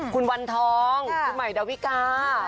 คุณวันทองคุณใหม่ดาวิกา